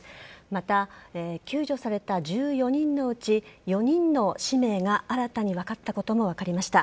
また、救助された１４人のうち４人の氏名が新たに分かったことも分かりました。